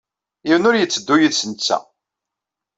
Yiwen ur yetteddu yid-s netta.